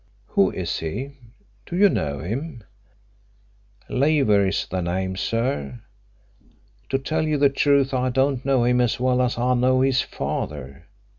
"Who is he? Do you know him?" "Leaver is the name, sir. To tell you the truth, I don't know him as well as I know his father.